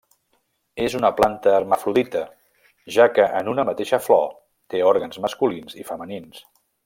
És una planta hermafrodita, ja que en una mateixa flor té òrgans masculins i femenins.